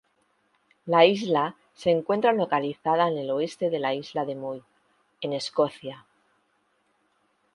La isla se encuentra localizada al oeste de la isla de Mull, en Escocia.